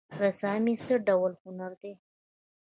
رسامي څه ډول هنر دی؟